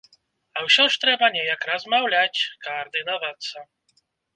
А ўсё ж трэба неяк размаўляць, каардынавацца.